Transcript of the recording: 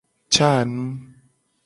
Ca nu.